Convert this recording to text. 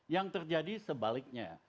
yang terjadi sebaliknya